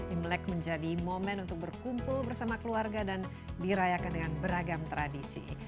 imlek menjadi momen untuk berkumpul bersama keluarga dan dirayakan dengan beragam tradisi